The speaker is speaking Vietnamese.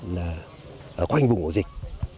là quanh vùng của dịch